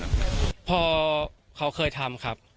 อเจมส์พ่อเขาเคยทำครับ